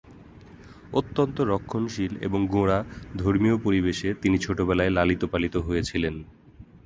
অত্যন্ত রক্ষণশীল এবং গোঁড়া ধর্মীয় পরিবেশে তিনি ছোটবেলায় লালিত পালিত হয়েছিলেন।